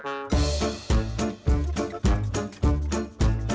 กดมาก็จะได้ได้ที่นอนเด็กเด็กอ่ะ